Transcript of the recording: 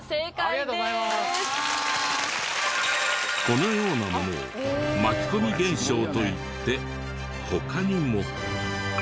このようなものを巻き込み現象といって他にも。